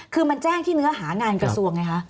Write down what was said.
คือมันแจ้งที่เนื้อหางานกระทรวงไงคะ